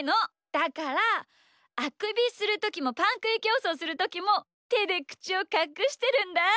だからあくびするときもパンくいきょうそうするときもてでくちをかくしてるんだ。